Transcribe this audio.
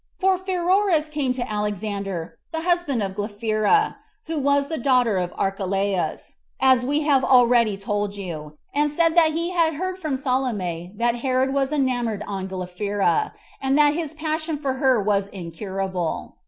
4. For Pheroras came to Alexander, the husband of Glaphyra, who was the daughter of Archelaus, as we have already told you, and said that he had heard from Salome that Herod has enamored on Glaphyra, and that his passion for her was incurable.